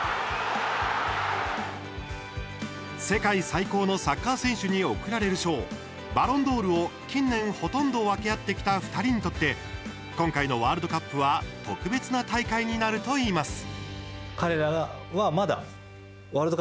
世界最高のサッカー選手に贈られる賞、バロンドールを近年、ほとんど分け合ってきた２人にとって今回のワールドカップは特別な大会になると言います。